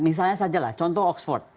misalnya saja lah contoh oxford